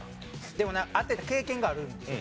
でも開けた経験があるんですよ